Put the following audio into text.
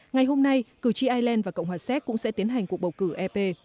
ngày hôm nay cử tri ireland và cộng hòa séc cũng sẽ tiến hành cuộc bầu cử ep